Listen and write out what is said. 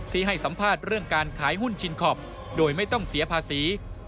ให้สัมภาษณ์เรื่องการขายหุ้นชินคอปโดยไม่ต้องเสียภาษี